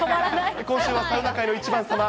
今週はサウナ界の１番さま。